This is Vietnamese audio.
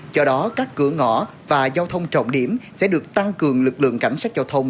do đó các cửa ngõ và giao thông trọng điểm sẽ được tăng cường lực lượng cảnh sát giao thông